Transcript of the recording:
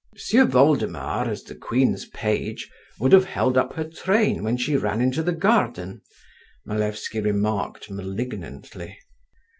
"M'sieu Voldemar, as the queen's page, would have held up her train when she ran into the garden," Malevsky remarked malignantly.